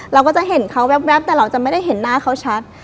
เราก็จะเห็นเขาแว๊บแต่เราจะไม่ได้เห็นหน้าเขาชัด